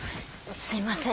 すいません。